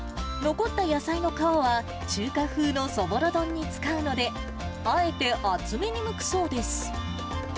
残った野菜の皮は、中華風のそぼろ丼に使うので、あえて厚めにむくそうです。